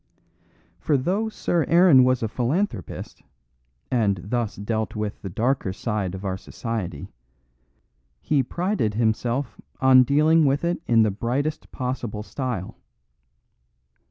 For though Sir Aaron was a philanthropist, and thus dealt with the darker side of our society, he prided himself on dealing with it in the brightest possible style.